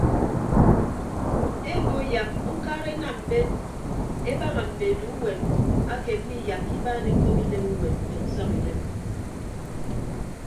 Ebo yak ukara enam mbet ebaña mme eduuwem ake miiyakka ibaan ekop inemuwem ye nsọñidem.